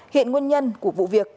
hiện nguyên nhân của vụ việc